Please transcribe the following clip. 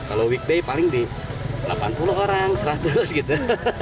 kalau weekday paling di delapan puluh orang seratus gitu